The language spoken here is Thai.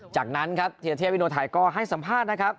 จากนั้นครับเทียเทพวิโนไทยก็ให้สัมภาษณ์นะครับ